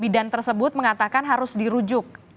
bidan tersebut mengatakan harus dirujuk